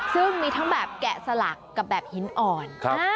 ซึ่งมีทั้งแบบแกะสลักกับแบบหินอ่อน